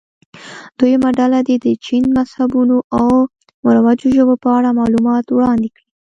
دویمه ډله دې د چین مذهبونو او مروجو ژبو په اړه معلومات وړاندې کړي.